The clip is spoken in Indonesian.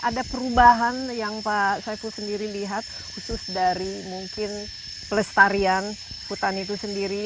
ada perubahan yang pak saiful sendiri lihat khusus dari mungkin pelestarian hutan itu sendiri